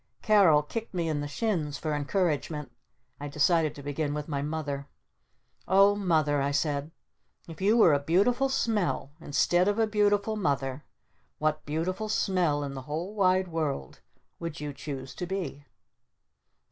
Carol kicked me in the shins for encouragement. I decided to begin with my Mother. "Oh Mother," I said. "If you were a Beautiful Smell instead of a Beautiful Mother, what Beautiful Smell in the whole wide world would you choose to be?"